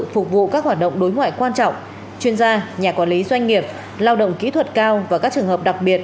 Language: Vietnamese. phục vụ các hoạt động đối ngoại quan trọng chuyên gia nhà quản lý doanh nghiệp lao động kỹ thuật cao và các trường hợp đặc biệt